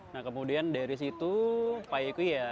nah kemudian dari situ pak yeku ya